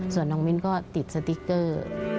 ส่วนน้องมิ้นก็ติดสติ๊กเกอร์